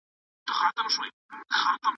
آيا هر بيلتون جلا نوم او بيله طريقه لري؟